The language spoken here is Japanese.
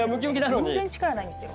全然力ないんですよ。